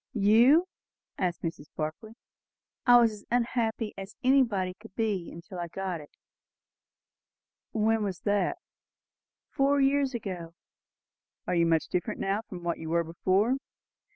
"You!" said Mrs. Barclay. "I was as unhappy as anybody could be till I got it." "When was that?" "Four years ago." "Are you much different now from what you were before?"